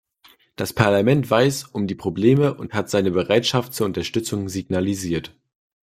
Das Parlament weiß um die Probleme und hat seine Bereitschaft zur Unterstützung signalisiert.